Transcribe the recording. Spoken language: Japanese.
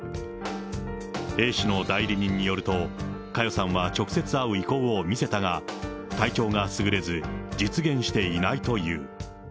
Ａ氏の代理人によると、佳代さんは直接会う意向を見せたが、体調がすぐれず実現していないという。